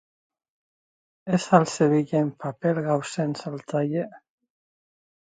Ez al zebilen paper-gauzen saltzaile?